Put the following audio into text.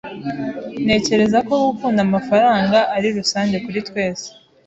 Ntekereza ko gukunda amafaranga ari rusange kuri twese.